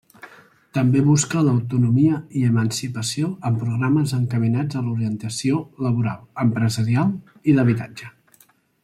També busca l'autonomia i emancipació amb programes encaminats a l'orientació laboral, empresarial i d'habitatge.